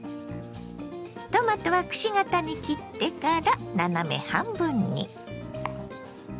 トマトはくし形に切ってから斜め半分に。